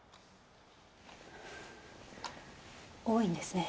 多いんですね